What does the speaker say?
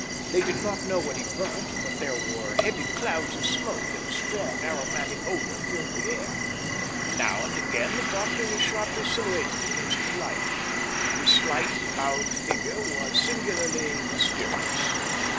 They did not know what he burnt, but there were heavy clouds of smoke, and a strong, aromatic odour filled the air. Now and again the doctor was sharply silhouetted against the light. His slight, bowed figure was singularly mysterious.